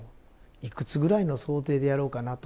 いくつぐらいの想定でやろうかなと。